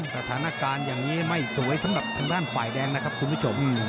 สถานการณ์อย่างนี้ไม่สวยสำหรับทางด้านฝ่ายแดงนะครับคุณผู้ชม